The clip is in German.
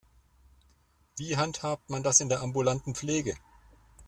Wie handhabt man das in der ambulanten Pflege?